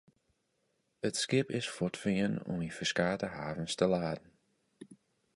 It skip is fuortfearn om yn ferskate havens te laden.